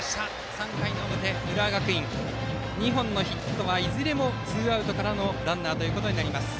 ３回の表、浦和学院２本のヒットはいずれもツーアウトからのランナーとなります。